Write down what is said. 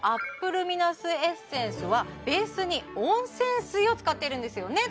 ルミナスエッセンスはベースに温泉水を使っているんですよね